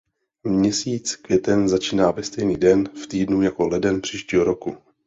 Měsíc květen začíná ve stejný den v týdnu jako leden příštího roku.